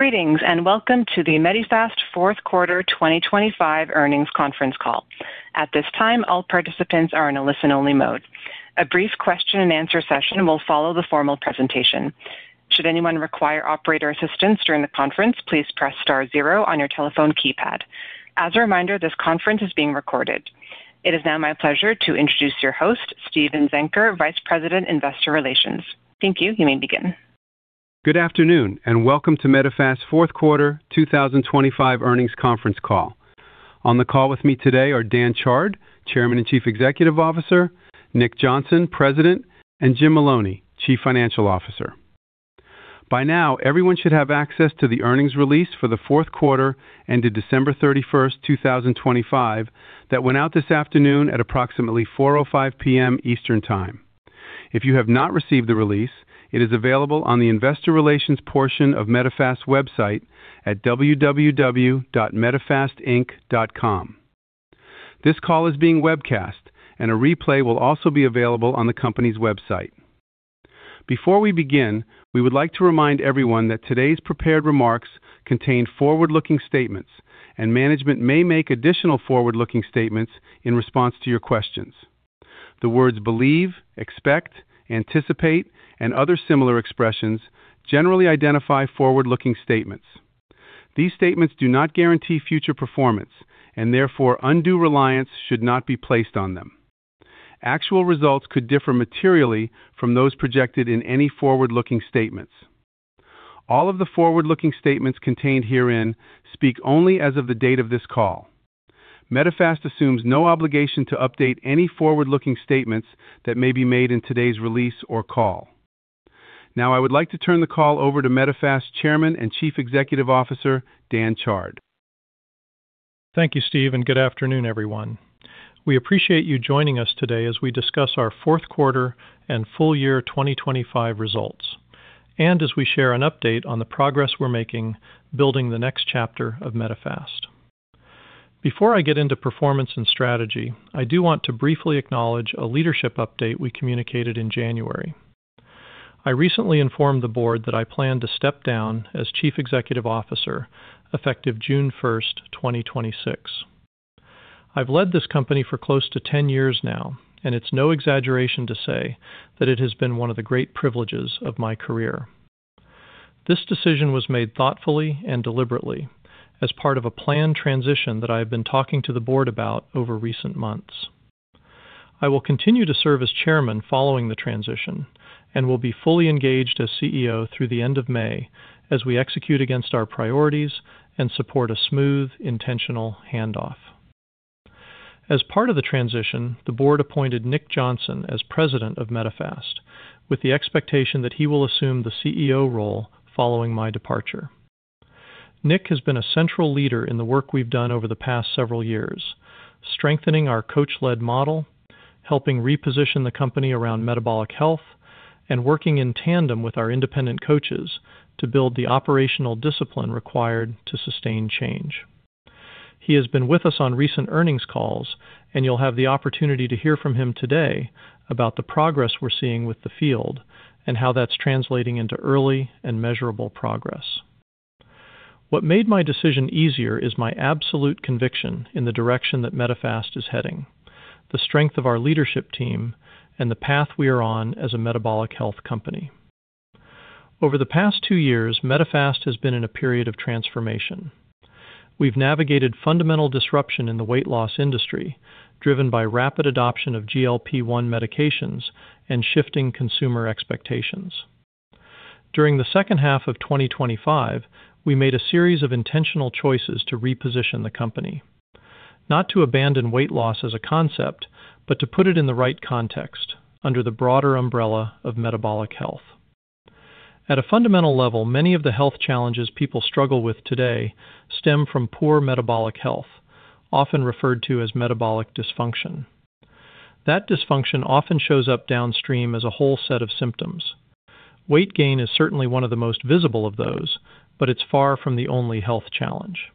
Greetings, and welcome to the Medifast fourth quarter 2025 earnings conference call. At this time, all participants are in a listen-only mode. A brief question and answer session will follow the formal presentation. Should anyone require operator assistance during the conference, please press star zero on your telephone keypad. As a reminder, this conference is being recorded. It is now my pleasure to introduce your host, Steven Zenker, Vice President, Investor Relations. Thank you. You may begin. Good afternoon, and welcome to Medifast fourth quarter 2025 earnings conference call. On the call with me today are Dan Chard, Chairman and Chief Executive Officer, Nick Johnson, President, and Jim Maloney, Chief Financial Officer. By now, everyone should have access to the earnings release for the fourth quarter ended December 31st, 2025, that went out this afternoon at approximately 4:05 P.M. Eastern Time. If you have not received the release, it is available on the investor relations portion of Medifast's website at www.medifastinc.com. This call is being webcast, and a replay will also be available on the company's website. Before we begin, we would like to remind everyone that today's prepared remarks contain forward-looking statements, and management may make additional forward-looking statements in response to your questions. The words believe, expect, anticipate, and other similar expressions generally identify forward-looking statements. These statements do not guarantee future performance, and therefore, undue reliance should not be placed on them. Actual results could differ materially from those projected in any forward-looking statements. All of the forward-looking statements contained herein speak only as of the date of this call. Medifast assumes no obligation to update any forward-looking statements that may be made in today's release or call. Now, I would like to turn the call over to Medifast's Chairman and Chief Executive Officer, Dan Chard. Thank you, Steve, and good afternoon, everyone. We appreciate you joining us today as we discuss our fourth quarter and full year 2025 results, and as we share an update on the progress we're making, building the next chapter of Medifast. Before I get into performance and strategy, I do want to briefly acknowledge a leadership update we communicated in January. I recently informed the board that I plan to step down as Chief Executive Officer, effective June 1st, 2026. I've led this company for close to 10 years now, and it's no exaggeration to say that it has been one of the great privileges of my career. This decision was made thoughtfully and deliberately as part of a planned transition that I have been talking to the board about over recent months. I will continue to serve as chairman following the transition and will be fully engaged as CEO through the end of May as we execute against our priorities and support a smooth, intentional handoff. As part of the transition, the board appointed Nick Johnson as President of Medifast, with the expectation that he will assume the CEO role following my departure. Nick has been a central leader in the work we've done over the past several years: strengthening our coach-led model, helping reposition the company around metabolic health, and working in tandem with our independent coaches to build the operational discipline required to sustain change. He has been with us on recent earnings calls, and you'll have the opportunity to hear from him today about the progress we're seeing with the field and how that's translating into early and measurable progress. What made my decision easier is my absolute conviction in the direction that Medifast is heading, the strength of our leadership team, and the path we are on as a metabolic health company. Over the past two years, Medifast has been in a period of transformation. We've navigated fundamental disruption in the weight loss industry, driven by rapid adoption of GLP-1 medications and shifting consumer expectations. During the second half of 2025, we made a series of intentional choices to reposition the company. Not to abandon weight loss as a concept, but to put it in the right context under the broader umbrella of metabolic health. At a fundamental level, many of the health challenges people struggle with today stem from poor metabolic health, often referred to as metabolic dysfunction. That dysfunction often shows up downstream as a whole set of symptoms. Weight gain is certainly one of the most visible of those, but it's far from the only health challenge.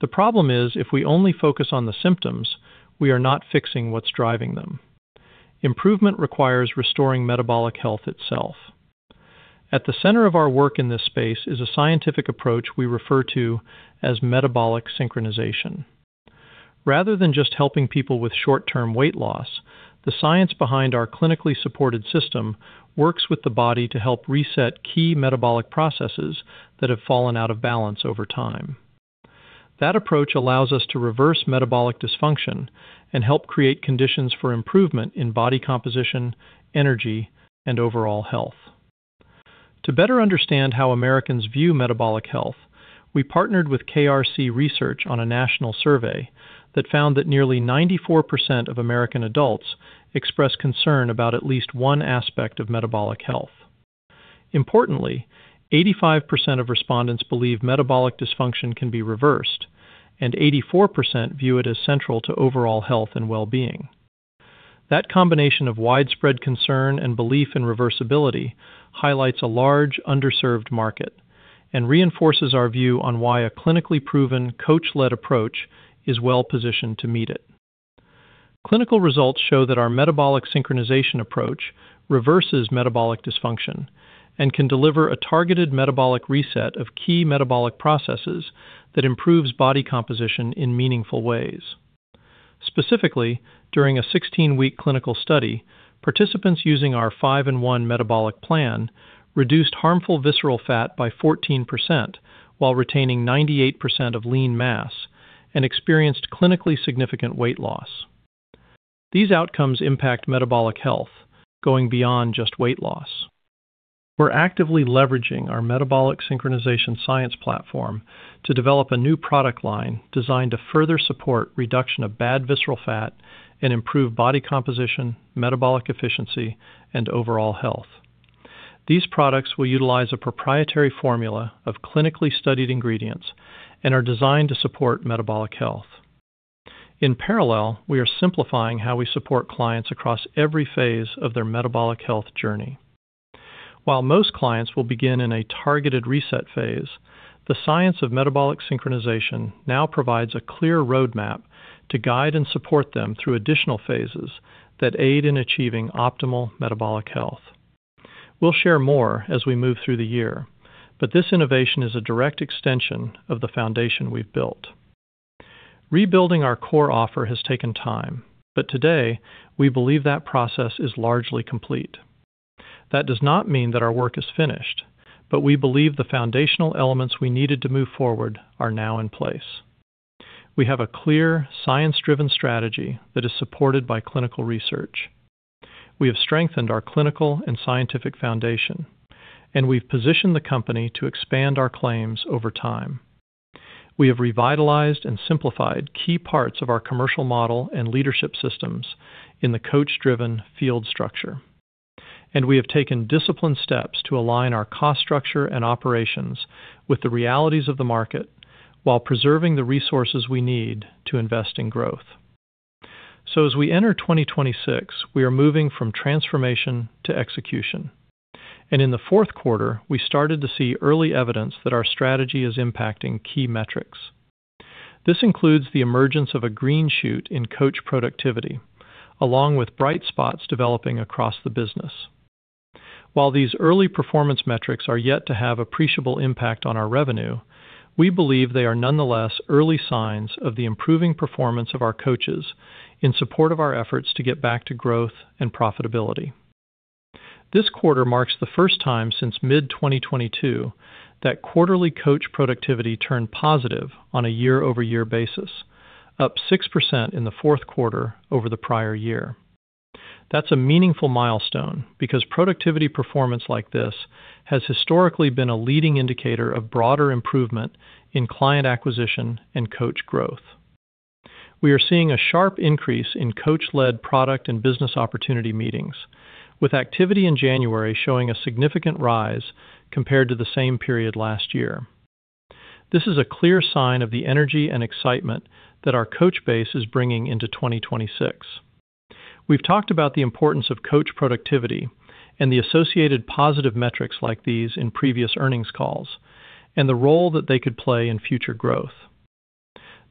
The problem is, if we only focus on the symptoms, we are not fixing what's driving them. Improvement requires restoring metabolic health itself. At the center of our work in this space is a scientific approach we refer to as Metabolic Synchronization. Rather than just helping people with short-term weight loss, the science behind our clinically supported system works with the body to help reset key metabolic processes that have fallen out of balance over time. That approach allows us to reverse Metabolic Dysfunction and help create conditions for improvement in body composition, energy, and overall health. To better understand how Americans view metabolic health, we partnered with KRC Research on a national survey that found that nearly 94% of American adults express concern about at least one aspect of metabolic health. Importantly, 85% of respondents believe metabolic dysfunction can be reversed, and 84% view it as central to overall health and well-being. That combination of widespread concern and belief in reversibility highlights a large underserved market and reinforces our view on why a clinically proven coach-led approach is well-positioned to meet it. Clinical results show that our metabolic synchronization approach reverses metabolic dysfunction and can deliver a targeted metabolic reset of key metabolic processes that improves body composition in meaningful ways. Specifically, during a 16-week clinical study, participants using our 5-in-1 metabolic plan reduced harmful visceral fat by 14% while retaining 98% of lean mass and experienced clinically significant weight loss. These outcomes impact metabolic health, going beyond just weight loss. We're actively leveraging our metabolic synchronization science platform to develop a new product line designed to further support reduction of bad visceral fat and improve body composition, metabolic efficiency, and overall health. These products will utilize a proprietary formula of clinically studied ingredients and are designed to support metabolic health. In parallel, we are simplifying how we support clients across every phase of their metabolic health journey. While most clients will begin in a targeted reset phase, the science of metabolic synchronization now provides a clear roadmap to guide and support them through additional phases that aid in achieving optimal metabolic health. We'll share more as we move through the year, but this innovation is a direct extension of the foundation we've built. Rebuilding our core offer has taken time, but today we believe that process is largely complete. That does not mean that our work is finished, but we believe the foundational elements we needed to move forward are now in place. We have a clear, science-driven strategy that is supported by clinical research. We have strengthened our clinical and scientific foundation, and we've positioned the company to expand our claims over time. We have revitalized and simplified key parts of our commercial model and leadership systems in the coach-driven field structure. And we have taken disciplined steps to align our cost structure and operations with the realities of the market, while preserving the resources we need to invest in growth. As we enter 2026, we are moving from transformation to execution, and in the fourth quarter, we started to see early evidence that our strategy is impacting key metrics. This includes the emergence of a green shoot in coach productivity, along with bright spots developing across the business. While these early performance metrics are yet to have appreciable impact on our revenue, we believe they are nonetheless early signs of the improving performance of our coaches in support of our efforts to get back to growth and profitability. This quarter marks the first time since mid-2022 that quarterly coach productivity turned positive on a year-over-year basis, up 6% in the fourth quarter over the prior year. That's a meaningful milestone because productivity performance like this has historically been a leading indicator of broader improvement in client acquisition and coach growth. We are seeing a sharp increase in coach-led product and business opportunity meetings, with activity in January showing a significant rise compared to the same period last year. This is a clear sign of the energy and excitement that our coach base is bringing into 2026. We've talked about the importance of coach productivity and the associated positive metrics like these in previous earnings calls and the role that they could play in future growth.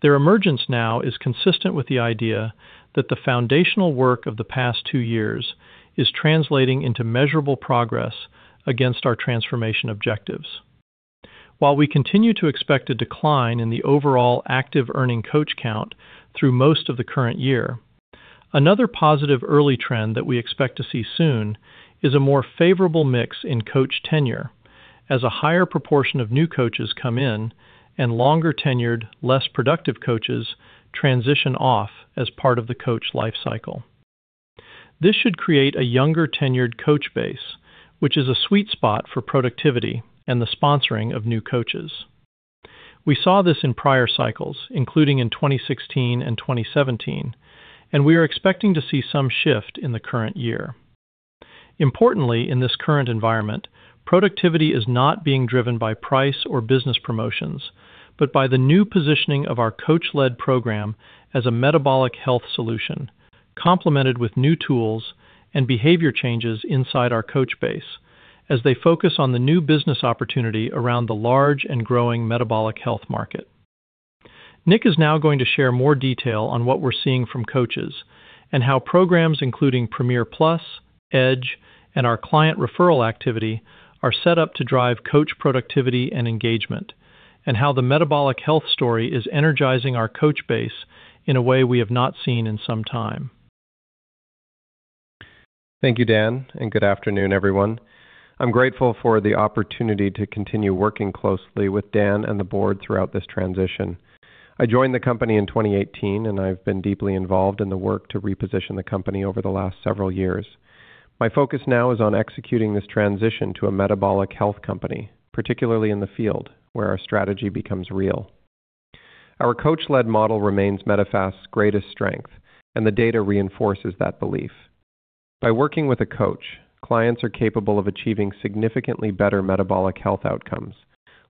Their emergence now is consistent with the idea that the foundational work of the past two years is translating into measurable progress against our transformation objectives. While we continue to expect a decline in the overall active earning coach count through most of the current year, another positive early trend that we expect to see soon is a more favorable mix in coach tenure, as a higher proportion of new coaches come in and longer-tenured, less productive coaches transition off as part of the coach life cycle. This should create a younger-tenured coach base, which is a sweet spot for productivity and the sponsoring of new coaches. We saw this in prior cycles, including in 2016 and 2017, and we are expecting to see some shift in the current year. Importantly, in this current environment, productivity is not being driven by price or business promotions, but by the new positioning of our coach-led program as a metabolic health solution, complemented with new tools and behavior changes inside our coach base as they focus on the new business opportunity around the large and growing metabolic health market. Nick is now going to share more detail on what we're seeing from coaches and how programs including Premier Plus, Edge, and our client referral activity are set up to drive coach productivity and engagement, and how the metabolic health story is energizing our coach base in a way we have not seen in some time. Thank you, Dan, and good afternoon, everyone. I'm grateful for the opportunity to continue working closely with Dan and the board throughout this transition. I joined the company in 2018, and I've been deeply involved in the work to reposition the company over the last several years. My focus now is on executing this transition to a metabolic health company, particularly in the field where our strategy becomes real. Our coach-led model remains Medifast's greatest strength, and the data reinforces that belief. By working with a coach, clients are capable of achieving significantly better metabolic health outcomes,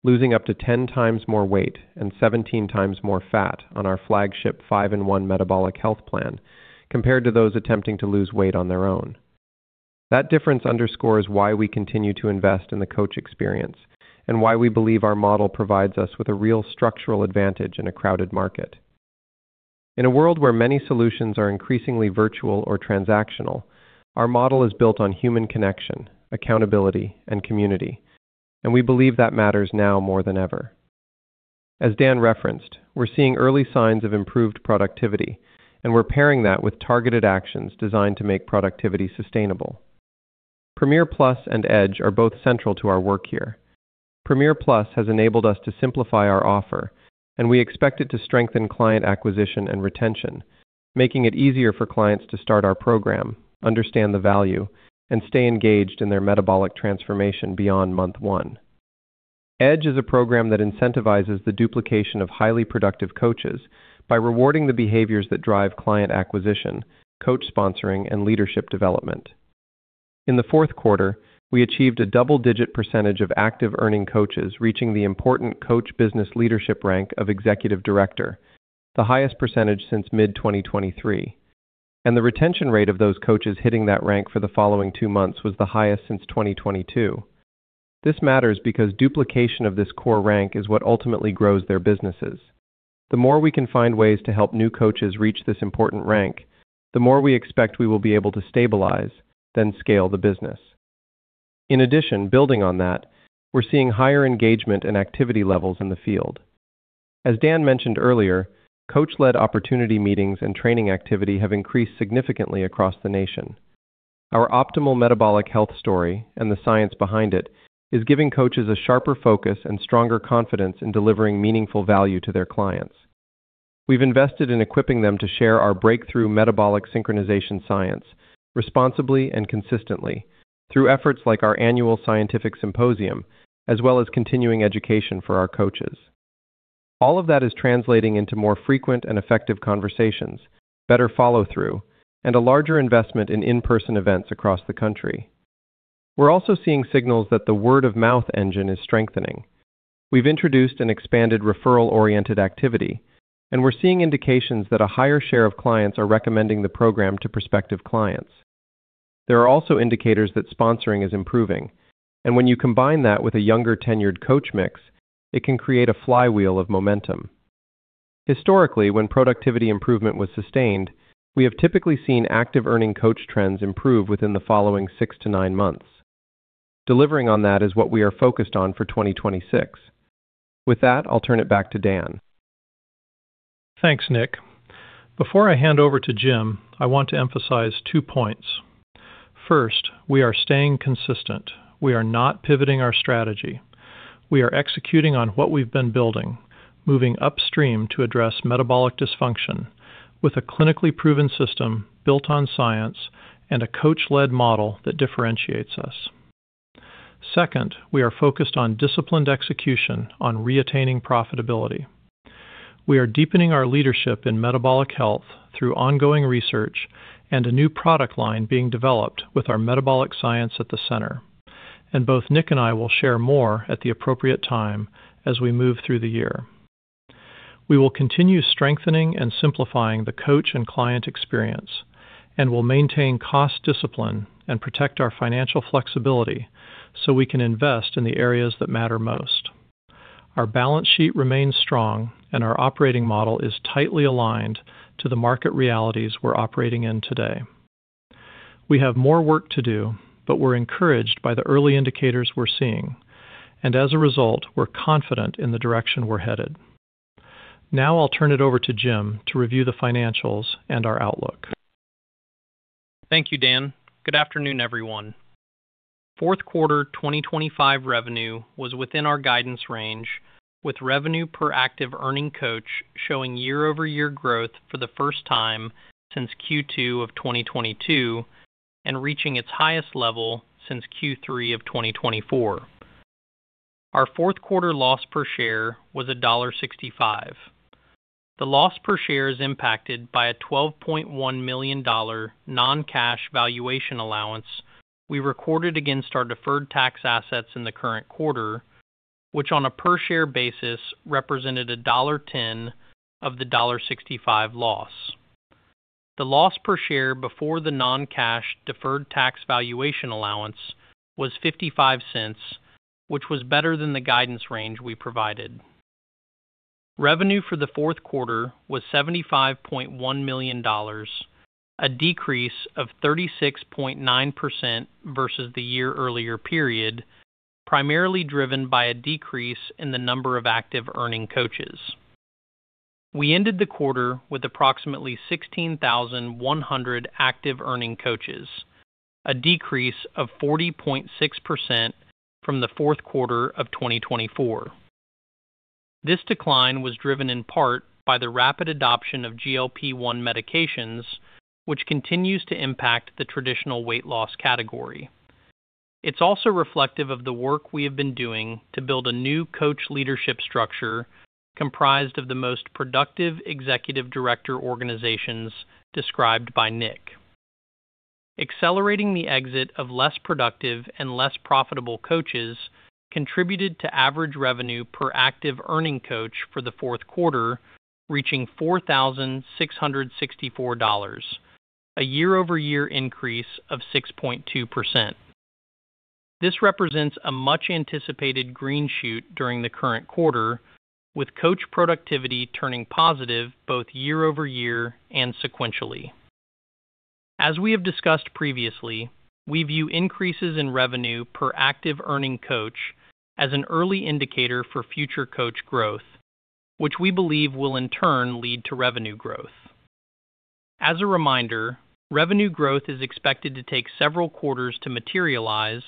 losing up to 10x more weight and 17x more fat on our flagship 5-in-1 metabolic health plan compared to those attempting to lose weight on their own.... That difference underscores why we continue to invest in the coach experience, and why we believe our model provides us with a real structural advantage in a crowded market. In a world where many solutions are increasingly virtual or transactional, our model is built on human connection, accountability, and community, and we believe that matters now more than ever. As Dan referenced, we're seeing early signs of improved productivity, and we're pairing that with targeted actions designed to make productivity sustainable. Premier Plus and Edge are both central to our work here. Premier Plus has enabled us to simplify our offer, and we expect it to strengthen client acquisition and retention, making it easier for clients to start our program, understand the value, and stay engaged in their metabolic transformation beyond month one. Edge is a program that incentivizes the duplication of highly productive coaches by rewarding the behaviors that drive client acquisition, coach sponsoring, and leadership development. In the fourth quarter, we achieved a double-digit percentage of active earning coaches reaching the important coach business leadership rank of executive director, the highest percentage since mid-2023, and the retention rate of those coaches hitting that rank for the following two months was the highest since 2022. This matters because duplication of this core rank is what ultimately grows their businesses. The more we can find ways to help new coaches reach this important rank, the more we expect we will be able to stabilize, then scale the business. In addition, building on that, we're seeing higher engagement and activity levels in the field. As Dan mentioned earlier, coach-led opportunity meetings and training activity have increased significantly across the nation. Our optimal metabolic health story and the science behind it is giving coaches a sharper focus and stronger confidence in delivering meaningful value to their clients. We've invested in equipping them to share our breakthrough Metabolic Synchronization science responsibly and consistently through efforts like our annual scientific symposium, as well as continuing education for our coaches. All of that is translating into more frequent and effective conversations, better follow-through, and a larger investment in in-person events across the country. We're also seeing signals that the word-of-mouth engine is strengthening. We've introduced an expanded referral-oriented activity, and we're seeing indications that a higher share of clients are recommending the program to prospective clients. There are also indicators that sponsoring is improving, and when you combine that with a younger tenured coach mix, it can create a flywheel of momentum. Historically, when productivity improvement was sustained, we have typically seen active earning coach trends improve within the following six-nine months. Delivering on that is what we are focused on for 2026. With that, I'll turn it back to Dan. Thanks, Nick. Before I hand over to Jim, I want to emphasize two points. First, we are staying consistent. We are not pivoting our strategy. We are executing on what we've been building, moving upstream to address metabolic dysfunction with a clinically proven system built on science and a coach-led model that differentiates us. Second, we are focused on disciplined execution on re-attaining profitability. We are deepening our leadership in metabolic health through ongoing research and a new product line being developed with our metabolic science at the center, and both Nick and I will share more at the appropriate time as we move through the year. We will continue strengthening and simplifying the coach and client experience, and will maintain cost discipline and protect our financial flexibility, so we can invest in the areas that matter most. Our balance sheet remains strong, and our operating model is tightly aligned to the market realities we're operating in today. We have more work to do, but we're encouraged by the early indicators we're seeing, and as a result, we're confident in the direction we're headed. Now I'll turn it over to Jim to review the financials and our outlook. Thank you, Dan. Good afternoon, everyone. Fourth quarter 2025 revenue was within our guidance range, with revenue per active earning coach showing year-over-year growth for the first time since Q2 of 2022 and reaching its highest level since Q3 of 2024. Our fourth quarter loss per share was $1.65. The loss per share is impacted by a $12.1 million non-cash valuation allowance we recorded against our deferred tax assets in the current quarter, which on a per-share basis represented a $1.10 of the $1.65 loss. The loss per share before the non-cash deferred tax valuation allowance was $0.55, which was better than the guidance range we provided. Revenue for the fourth quarter was $75.1 million, a decrease of 36.9% versus the year-earlier period, primarily driven by a decrease in the number of active earning coaches. We ended the quarter with approximately 16,100 active earning coaches, a decrease of 40.6% from the fourth quarter of 2024. This decline was driven in part by the rapid adoption of GLP-1 medications, which continues to impact the traditional weight loss category. It's also reflective of the work we have been doing to build a new coach leadership structure comprised of the most productive executive director organizations described by Nick. Accelerating the exit of less productive and less profitable coaches contributed to average revenue per active earning coach for the fourth quarter, reaching $4,664, a year-over-year increase of 6.2%. This represents a much-anticipated green shoot during the current quarter, with coach productivity turning positive both year-over-year and sequentially. As we have discussed previously, we view increases in revenue per active earning coach as an early indicator for future coach growth, which we believe will in turn lead to revenue growth. As a reminder, revenue growth is expected to take several quarters to materialize,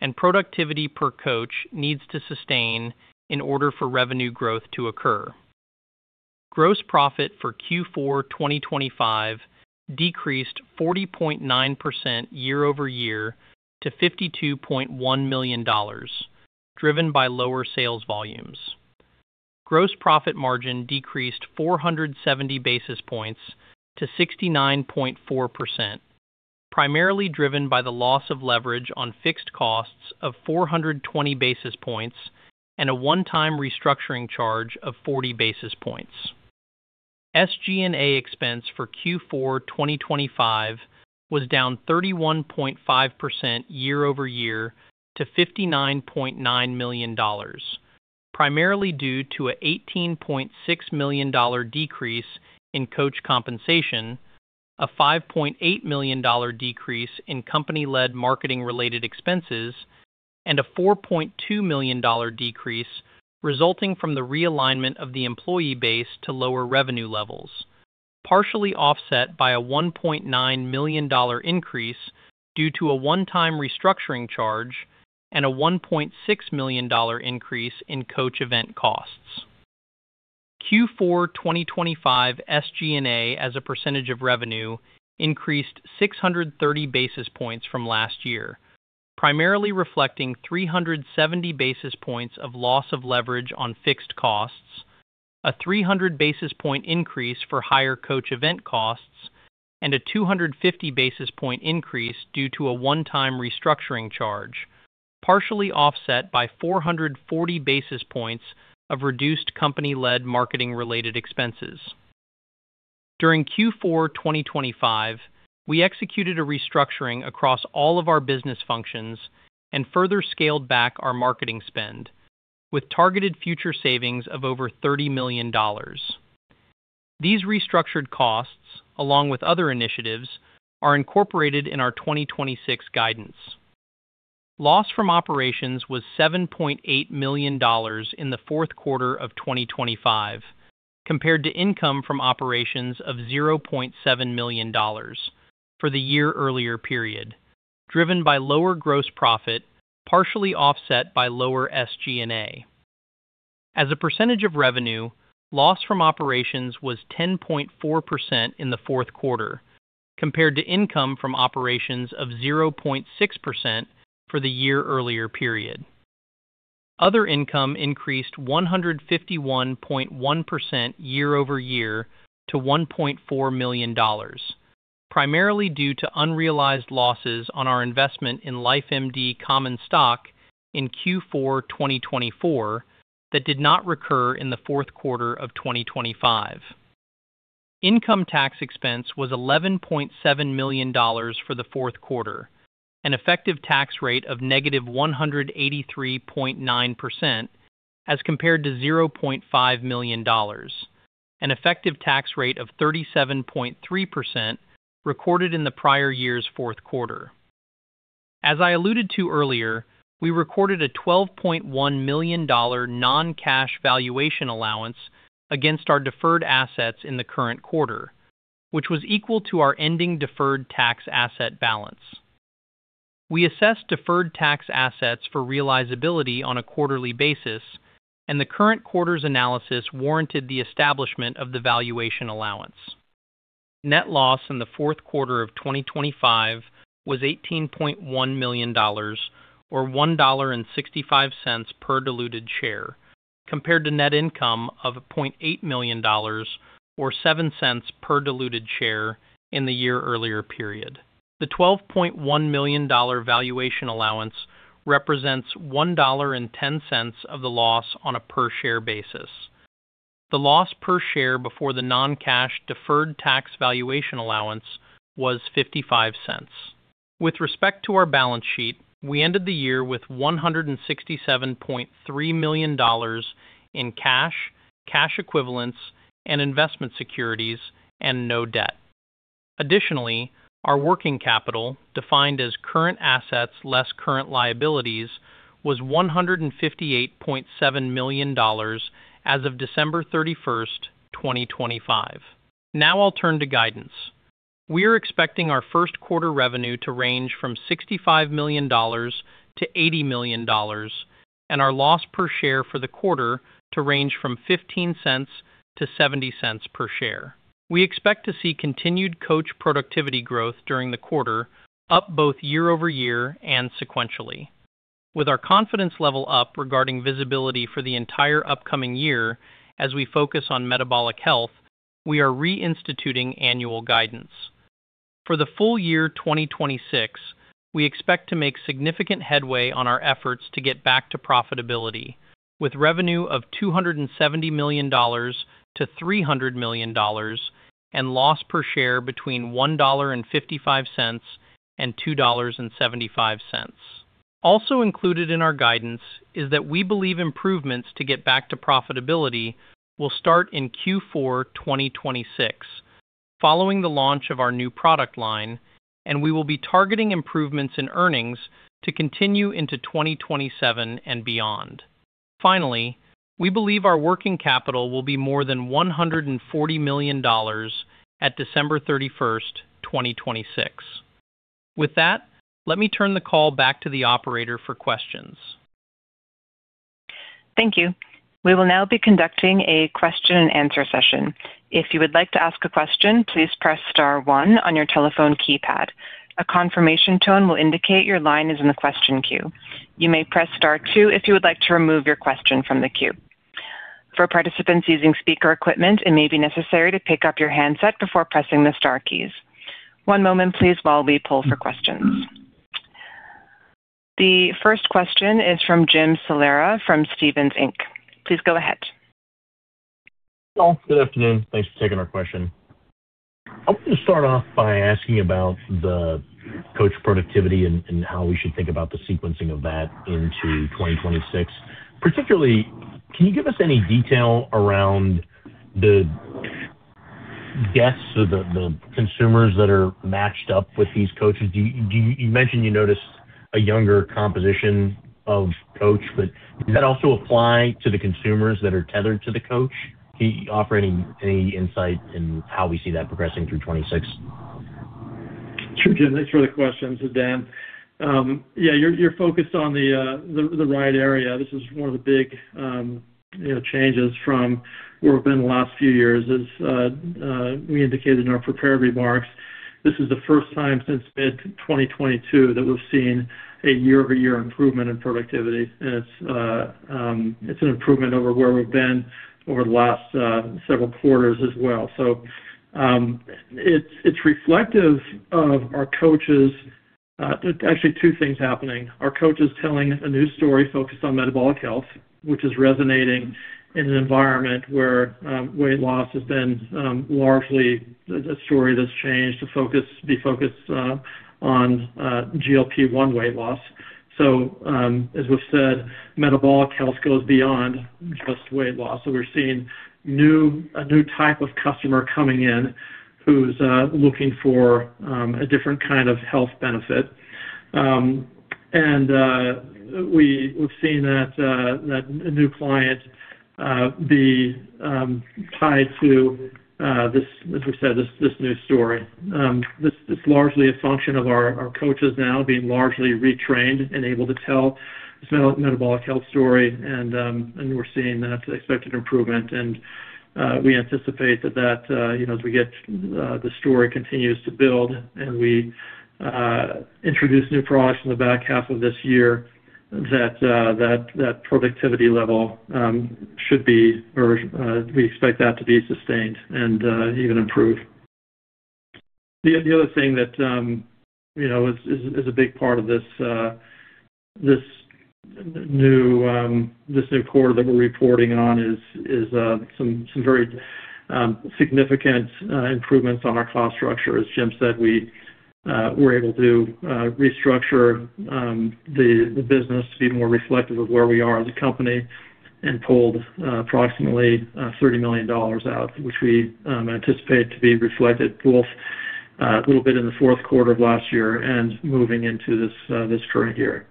and productivity per coach needs to sustain in order for revenue growth to occur. Gross profit for Q4 2025 decreased 40.9% year-over-year to $52.1 million, driven by lower sales volumes. Gross profit margin decreased 470 basis points to 69.4%, primarily driven by the loss of leverage on fixed costs of 420 basis points and a one-time restructuring charge of 40 basis points. SG&A expense for Q4 2025 was down 31.5% year-over-year to $59.9 million, primarily due to an $18.6 million decrease in coach compensation, a $5.8 million decrease in company-led marketing related expenses, and a $4.2 million decrease resulting from the realignment of the employee base to lower revenue levels, partially offset by a $1.9 million increase due to a one-time restructuring charge and a $1.6 million increase in coach event costs. Q4 2025 SG&A as a percentage of revenue increased 630 basis points from last year, primarily reflecting 370 basis points of loss of leverage on fixed costs, a 300 basis point increase for higher coach event costs, and a 250 basis point increase due to a one-time restructuring charge, partially offset by 440 basis points of reduced company-led marketing related expenses. During Q4 2025, we executed a restructuring across all of our business functions and further scaled back our marketing spend, with targeted future savings of over $30 million. These restructured costs, along with other initiatives, are incorporated in our 2026 guidance. Loss from operations was $7.8 million in the fourth quarter of 2025, compared to income from operations of $0.7 million for the year-earlier period, driven by lower gross profit, partially offset by lower SG&A. As a percentage of revenue, loss from operations was 10.4% in the fourth quarter, compared to income from operations of 0.6% for the year-earlier period. Other income increased 151.1% year-over-year to $1.4 million, primarily due to unrealized losses on our investment in LifeMD common stock in Q4 2024 that did not recur in the fourth quarter of 2025. Income tax expense was $11.7 million for the fourth quarter, an effective tax rate of -183.9%, as compared to $0.5 million, an effective tax rate of 37.3% recorded in the prior year's fourth quarter. As I alluded to earlier, we recorded a $12.1 million non-cash valuation allowance against our deferred tax assets in the current quarter, which was equal to our ending deferred tax asset balance. We assess deferred tax assets for realizability on a quarterly basis, and the current quarter's analysis warranted the establishment of the valuation allowance. Net loss in the fourth quarter of 2025 was $18.1 million, or $1.65 per diluted share, compared to net income of $0.8 million or $0.07 per diluted share in the year-earlier period. The $12.1 million valuation allowance represents $1.10 of the loss on a per share basis. The loss per share before the non-cash deferred tax valuation allowance was $0.55. With respect to our balance sheet, we ended the year with $167.3 million in cash, cash equivalents, and investment securities, and no debt. Additionally, our working capital, defined as current assets less current liabilities, was $158.7 million as of December 31st, 2025. Now I'll turn to guidance. We are expecting our first quarter revenue to range from $65 million-$80 million, and our loss per share for the quarter to range from $0.15-$0.70 per share. We expect to see continued coach productivity growth during the quarter, up both year-over-year and sequentially. With our confidence level up regarding visibility for the entire upcoming year as we focus on metabolic health, we are reinstituting annual guidance. For the full year 2026, we expect to make significant headway on our efforts to get back to profitability, with revenue of $270 million-$300 million and loss per share between $1.55 and $2.75.... Also included in our guidance is that we believe improvements to get back to profitability will start in Q4 2026, following the launch of our new product line, and we will be targeting improvements in earnings to continue into 2027 and beyond. Finally, we believe our working capital will be more than $140 million at December 31st, 2026. With that, let me turn the call back to the operator for questions. Thank you. We will now be conducting a question-and-answer session. If you would like to ask a question, please press star one on your telephone keypad. A confirmation tone will indicate your line is in the question queue. You may press star two if you would like to remove your question from the queue. For participants using speaker equipment, it may be necessary to pick up your handset before pressing the star keys. One moment, please, while we pull for questions. The first question is from Jim Salera from Stephens Inc. Please go ahead. Well, good afternoon. Thanks for taking our question. I'll just start off by asking about the coach productivity and how we should think about the sequencing of that into 2026. Particularly, can you give us any detail around the guests or the consumers that are matched up with these coaches? Do you— You mentioned you noticed a younger composition of coach, but does that also apply to the consumers that are tethered to the coach? Can you offer any insight in how we see that progressing through 2026? Sure, Jim, thanks for the question. This is Dan. Yeah, you're focused on the right area. This is one of the big, you know, changes from where we've been the last few years. As we indicated in our prepared remarks, this is the first time since mid-2022 that we've seen a year-over-year improvement in productivity. And it's an improvement over where we've been over the last several quarters as well. So, it's reflective of our coaches. Actually, two things happening. Our coach is telling a new story focused on metabolic health, which is resonating in an environment where weight loss has been largely a story that's changed to focus, be focused on GLP-1 weight loss. So, as we've said, metabolic health goes beyond just weight loss. So we're seeing a new type of customer coming in who's looking for a different kind of health benefit. And we've seen that a new client being tied to this, as we said, this new story. This is largely a function of our coaches now being largely retrained and able to tell this metabolic health story, and we're seeing that expected improvement. And we anticipate that, you know, as the story continues to build and we introduce new products in the back half of this year, that productivity level should be or we expect that to be sustained and even improved. The other thing that, you know, is a big part of this, this new quarter that we're reporting on is some very significant improvements on our cost structure. As Jim said, we were able to restructure the business to be more reflective of where we are as a company and pulled approximately $30 million out, which we anticipate to be reflected both a little bit in the fourth quarter of last year and moving into this current year.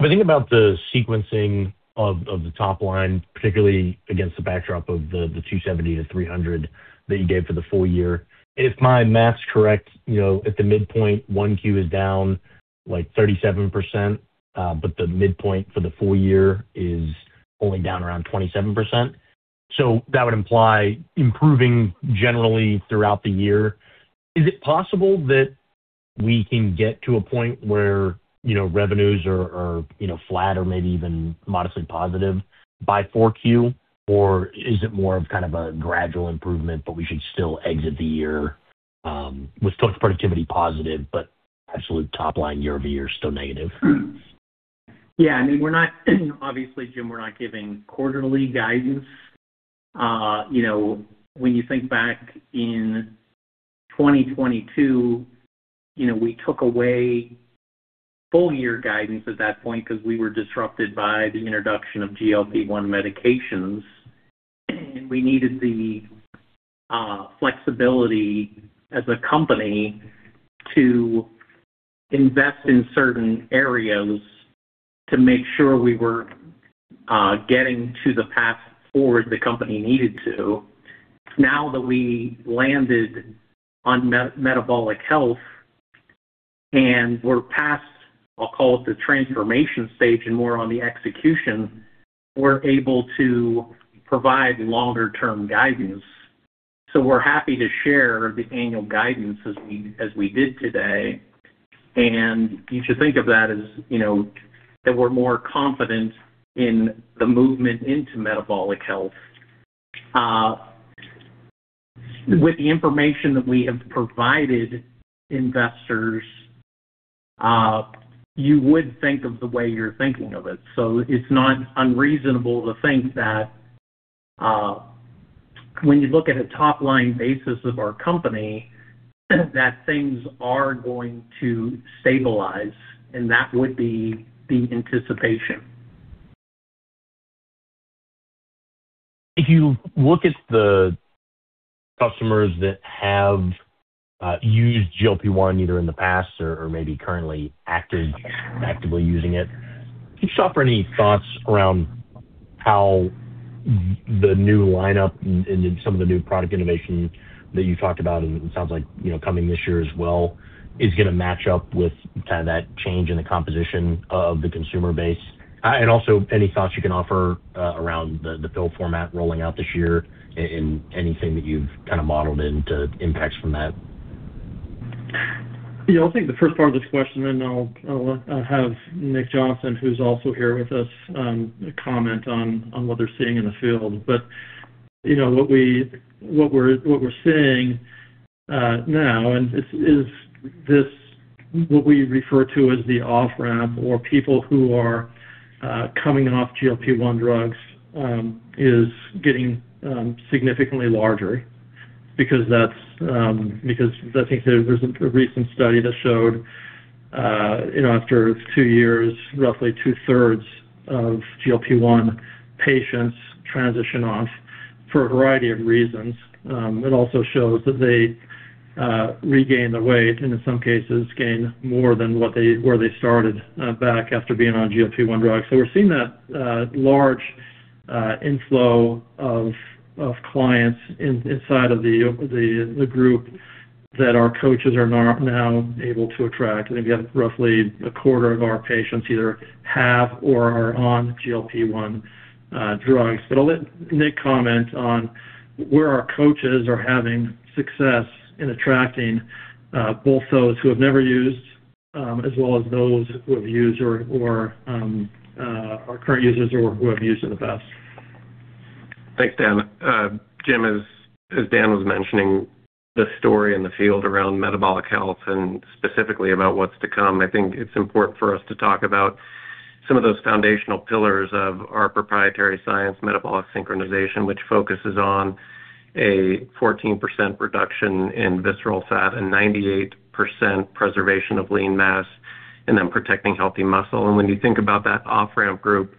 If I think about the sequencing of the top line, particularly against the backdrop of the $270-$300 that you gave for the full year. If my math's correct, you know, at the midpoint, Q1 is down, like, 37%, but the midpoint for the full year is only down around 27%. So that would imply improving generally throughout the year. Is it possible that we can get to a point where, you know, revenues are, you know, flat or maybe even modestly positive by Q4? Or is it more of kind of a gradual improvement, but we should still exit the year with coach productivity positive, but absolute top line year-over-year is still negative? Yeah, I mean, we're not, obviously, Jim, we're not giving quarterly guidance. You know, when you think back in 2022, you know, we took away full year guidance at that point because we were disrupted by the introduction of GLP-1 medications, and we needed the flexibility as a company to invest in certain areas to make sure we were getting to the path forward the company needed to. Now that we landed on metabolic health and we're past, I'll call it, the transformation stage and more on the execution, we're able to provide longer-term guidance. So we're happy to share the annual guidance as we did today. And you should think of that as, you know, that we're more confident in the movement into metabolic health. With the information that we have provided investors, you would think of the way you're thinking of it. So it's not unreasonable to think that, when you look at a top-line basis of our company, that things are going to stabilize, and that would be the anticipation. If you look at the customers that have used GLP-1, either in the past or maybe currently actively using it, can you offer any thoughts around how the new lineup and some of the new product innovation that you talked about, and it sounds like, you know, coming this year as well, is going to match up with kind of that change in the composition of the consumer base? And also, any thoughts you can offer around the Fuelings format rolling out this year and anything that you've kind of modeled into impacts from that? Yeah, I'll take the first part of this question, then I'll have Nick Johnson, who's also here with us, comment on what they're seeing in the field. But, you know, what we're seeing now, and this is what we refer to as the off-ramp or people who are coming off GLP-1 drugs, is getting significantly larger because that's because I think there's a recent study that showed, you know, after two years, roughly 2/3 of GLP-1 patients transition off for a variety of reasons. It also shows that they regain their weight and in some cases, gain more than what they where they started back after being on GLP-1 drugs. So we're seeing that large inflow of clients inside of the group that our coaches are now able to attract. I think we have roughly a quarter of our patients either have or are on GLP-1 drugs. But I'll let Nick comment on where our coaches are having success in attracting both those who have never used as well as those who have used or are current users or who have used in the past. Thanks, Dan. Jim, as Dan was mentioning, the story in the field around metabolic health and specifically about what's to come, I think it's important for us to talk about some of those foundational pillars of our proprietary science, metabolic synchronization, which focuses on a 14% reduction in visceral fat and 98% preservation of lean mass, and then protecting healthy muscle. When you think about that off-ramp group,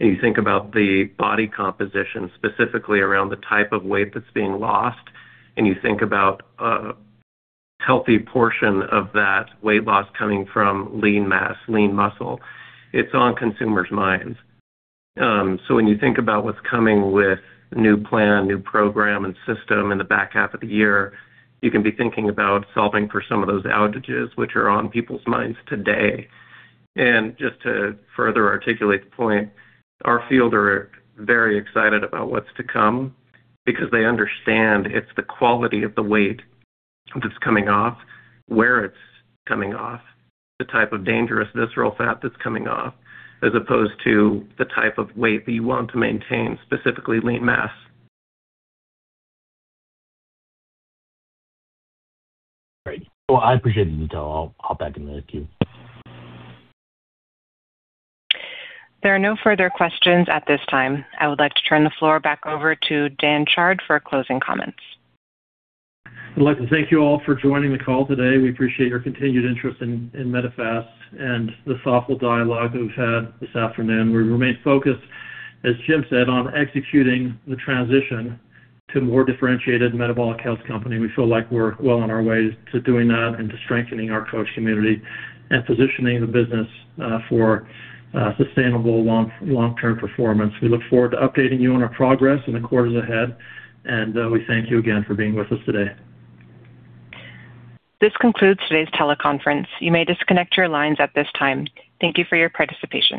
and you think about the body composition, specifically around the type of weight that's being lost, and you think about a healthy portion of that weight loss coming from lean mass, lean muscle, it's on consumers' minds. When you think about what's coming with new plan, new program, and system in the back half of the year, you can be thinking about solving for some of those outages, which are on people's minds today. Just to further articulate the point, our field are very excited about what's to come because they understand it's the quality of the weight that's coming off, where it's coming off, the type of dangerous visceral fat that's coming off, as opposed to the type of weight that you want to maintain, specifically lean mass. Great. Well, I appreciate the detail. I'll hop back in the queue. There are no further questions at this time. I would like to turn the floor back over to Dan Chard for closing comments. I'd like to thank you all for joining the call today. We appreciate your continued interest in Medifast and the thoughtful dialogue that we've had this afternoon. We remain focused, as Jim said, on executing the transition to a more differentiated metabolic health company. We feel like we're well on our way to doing that and to strengthening our coach community and positioning the business for sustainable long-term performance. We look forward to updating you on our progress in the quarters ahead, and we thank you again for being with us today. This concludes today's teleconference. You may disconnect your lines at this time. Thank you for your participation.